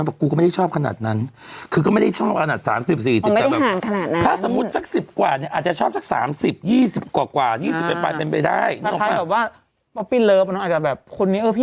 มันก็มีตั้งนานคือเมื่อก่อนเราเห็นพ